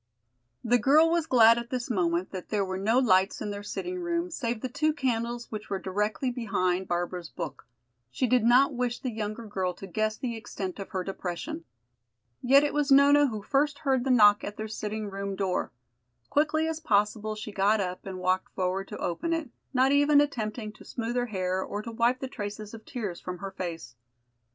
The girl was glad at this moment that there were no lights in their sitting room save the two candles which were directly behind Barbara's book. She did not wish the younger girl to guess the extent of her depression. Yet it was Nona who first heard the knock at their sitting room door. Quickly as possible she got up and walked forward to open it, not even attempting to smooth her hair or to wipe the traces of tears from her face.